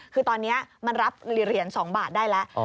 คือตอนนี้มันรับเหรียญ๒บาทได้แล้ว